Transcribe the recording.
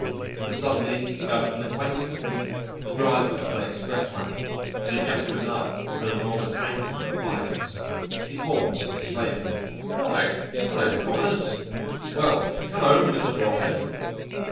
But suddenly he discovered an acquaintance, the driver of an express wagon that had just driven up with an enormous anchor of violets. He paused, exclaiming: "Why, hello, Connors!" "Why, hello, Mister Brodhead!"